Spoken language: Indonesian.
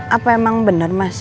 apa emang bener mas